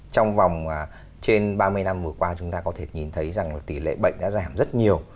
trong vòng trên ba mươi năm vừa qua chúng ta có thể nhìn thấy rằng là tỷ lệ bệnh đã giảm rất nhiều